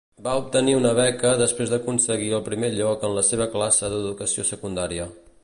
Va obtenir una beca després d'aconseguir el primer lloc en la seva classe d'educació secundària.